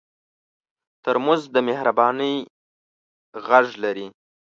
ترموز د مهربانۍ غږ لري.